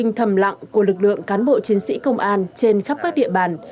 nơi nào có lực lượng cán bộ chiến sĩ công an trên khắp các địa bàn